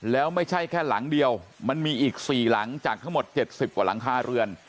แล้วไม่ใช่แค่หลังเดียวมันมีอีก๔หลังจากทั้งหมด๗๐กว่าหลังคาเรือน